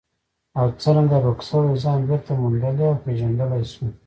او څرنګه ورک شوی ځان بېرته موندلی او پېژندلی شو.